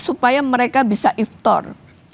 supaya mereka bisa iftar